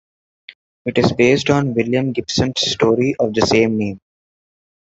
It is based on William Gibson's story of the same name.